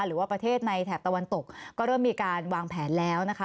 หรือว่าประเทศในแถบตะวันตกก็เริ่มมีการวางแผนแล้วนะคะ